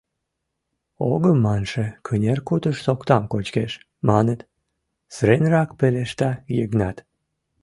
— Огым манше кынер кутыш соктам кочкеш, маныт, — сыренрак пелешта Йыгнат.